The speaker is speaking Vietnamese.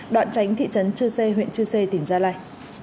đoạn tránh thị trấn chư sê huyện chư sê tỉnh gia lai